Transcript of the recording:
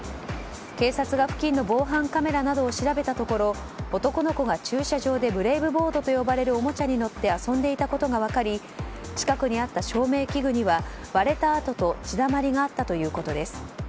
警察が付近の防犯カメラなどを調べたところ男の子が駐車場でブレイブボードと呼ばれるおもちゃに乗って遊んでいたことが分かり近くにあった照明器具には割れた跡と血だまりがあったということです。